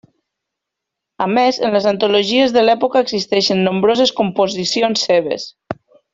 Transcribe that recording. A més en les antologies de l'època existeixen nombroses composicions seves.